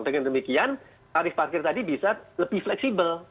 dengan demikian tarif parkir tadi bisa lebih fleksibel